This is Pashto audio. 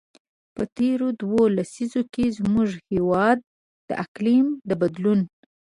په تېرو دوو لسیزو کې، زموږ هېواد د اقلیم د بدلون.